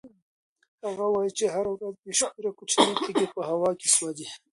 هغه وایي چې هره ورځ بې شمېره کوچنۍ تېږې په هوا کې سوځي.